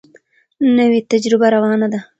نوې تجربه روانه ده.